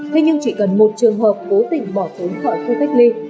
thế nhưng chỉ cần một trường hợp cố tình bỏ trốn khỏi khu cách ly